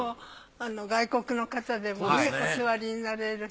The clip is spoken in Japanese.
外国の方でもねお座りになれるし。